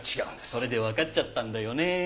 それでわかっちゃったんだよね！